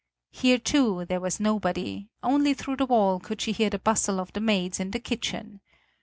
Here too there was nobody; only through the wall could she hear the bustle of the maids in the kitchen.